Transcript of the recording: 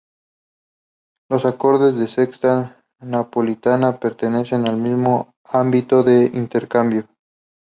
Los acordes de sexta napolitana pertenecen al mismo ámbito de intercambio.